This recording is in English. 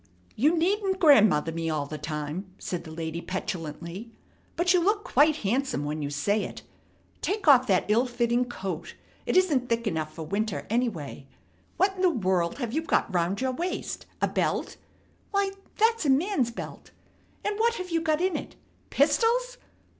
"You needn't 'grandmother' me all the time," said the lady petulantly. "But you look quite handsome when you say it. Take off that ill fitting coat. It isn't thick enough for winter, anyway. What in the world have you got round your waist? A belt? Why, that's a man's belt! And what have you got in it? Pistols?